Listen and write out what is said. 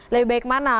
lebih baik mana